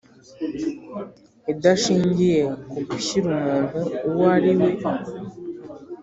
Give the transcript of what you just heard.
idashingiye ku gushyira umuntu uwo ariwe